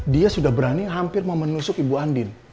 dia sudah berani hampir mau menusuk ibu andin